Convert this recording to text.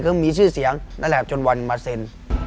คือมีชื่อเสียงนั่นแหละจนวันมาเซ็น